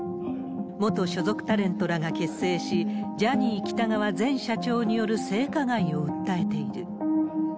元所属タレントらが結成し、ジャニー喜多川前社長による性加害を訴えている。